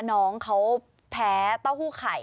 น้องเขาแพ้เต้าหู้ไข่